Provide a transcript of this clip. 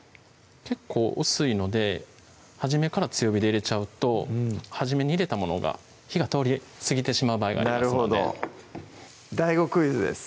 結構薄いので初めから強火で入れちゃうと初めに入れたものが火が通りすぎてしまう場合がありますのでＤＡＩＧＯクイズです